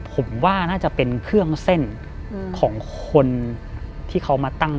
ผมว่าน่าจะเป็นเครื่องเส้นของคนที่เขามาตั้ง